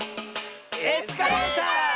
「エスカレーター」！